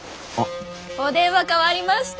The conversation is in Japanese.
お電話代わりました。